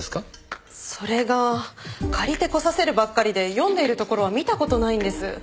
それが借りてこさせるばっかりで読んでいるところは見た事ないんです。